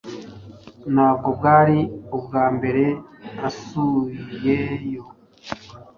Ntabwo bwari ubwa mbere asuyeyo